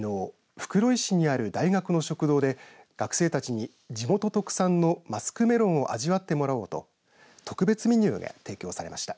袋井市にある大学の食堂で学生たちに地元特産のマスクメロンを味わってもらおうと特別メニューが提供されました。